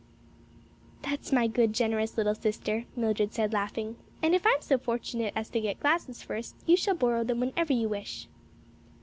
"That's my good, generous little sister," Mildred said, laughing, "and if I'm so fortunate as to get glasses first, you shall borrow them whenever you wish."